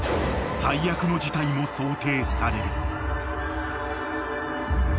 ［最悪の事態も想定される］